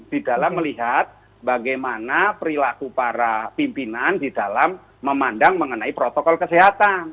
di dalam melihat bagaimana perilaku para pimpinan di dalam memandang mengenai protokol kesehatan